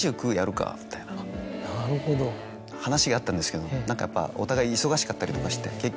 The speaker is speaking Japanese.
みたいな話があったんですけど何かやっぱお互い忙しかったりとかして。